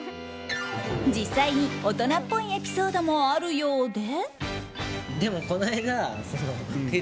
実際に大人っぽいエピソードもあるようで。